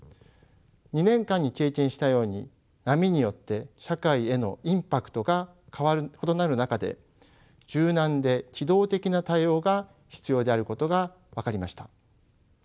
２年間に経験したように波によって社会へのインパクトが異なる中で柔軟で機動的な対応が必要であることが分かりました。